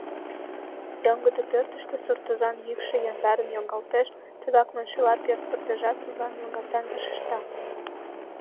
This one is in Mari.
Йоҥгыдо пӧртыштӧ суртозан йӱкшӧ яндарын йоҥгалтеш, тыгак маншыла, пӧрт пырдыжат тудлан йоҥгатан вашешта.